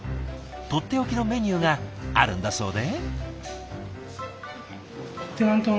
とっておきのメニューがあるんだそうで。